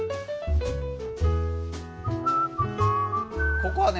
ここはね